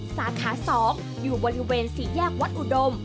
สาขา๒อยู่บริเวณ๔แยกวัดอุดม